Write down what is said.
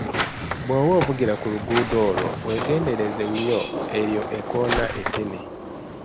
Bw'oba ovugira ku luguudo olwo, weegendereze nnyo eryo ekkoona eddene.